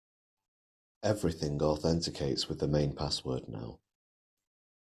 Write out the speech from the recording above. Everything authenticates with the main password now.